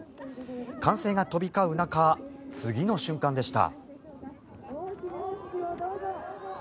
歓声が飛び交う中次の瞬間でした。